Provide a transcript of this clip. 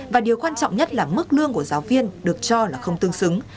và điều quan trọng nhất là mức lương của giáo viên được cho là không tương xứng